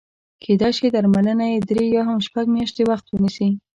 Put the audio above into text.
کېدای شي درملنه یې درې یا هم شپږ میاشتې وخت ونیسي.